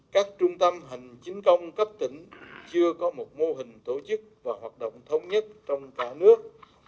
các trung tâm hành chính công cấp tỉnh chưa có một mô hình tổ chức và hoạt động thống nhất trong cả nước